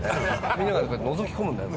みんながのぞき込むんだよ